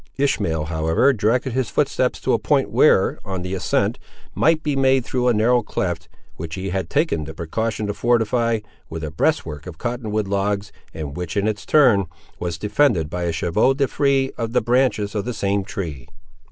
Ishmael, however, directed his footsteps to a point where an ascent might be made through a narrow cleft, which he had taken the precaution to fortify with a breast work of cottonwood logs, and which, in its turn, was defended by a chevaux de frise of the branches of the same tree.